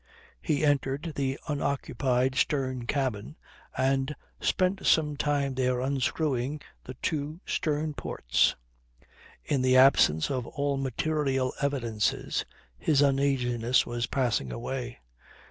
He entered the unoccupied stern cabin and spent some time there unscrewing the two stern ports. In the absence of all material evidences his uneasiness was passing away.